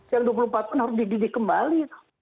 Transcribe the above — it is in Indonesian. yang dua puluh empat kan harus digidik kembali